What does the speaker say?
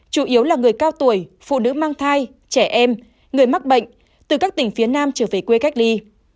chủ yếu là người cao tuổi phụ nữ mang thai trẻ em người mắc bệnh từ các tỉnh phía nam trở về quê cách ly